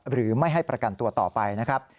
ไม่ให้ประกันตัวต่อไปนะครับ